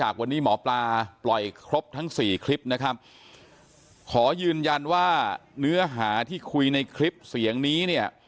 ครบทั้งสี่คลิปนะครับขอยืนยันว่าเนื้อหาที่คุยในคลิปเสียงนี้เนี่ย